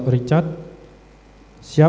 kemudian dijawab oleh akun whatsapp